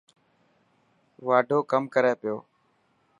واڍو ڪم ڪري پيو.